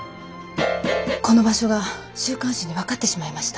この場所が週刊誌に分かってしまいました。